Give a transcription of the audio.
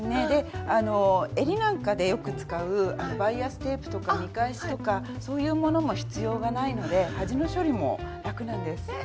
でえりなんかでよく使うバイアステープとか見返しとかそういうものも必要がないので端の処理も楽なんです。